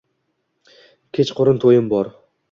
Kechkurun to`yim bor